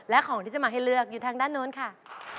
และของที่จะมาให้เลือกอยู่ทางด้านโน้นค่ะ